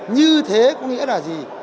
như thế có nghĩa là gì